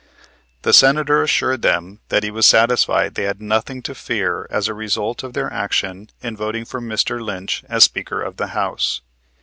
The Senator assured them that he was satisfied they had nothing to fear as a result of their action in voting for Mr. Lynch as Speaker of the House.